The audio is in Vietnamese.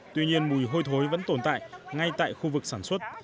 tuy nhiên mùi hôi thối vẫn tồn tại ngay tại khu vực sản xuất